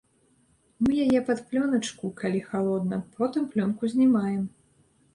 Мы яе пад плёначку, калі халодна, потым плёнку знімаем!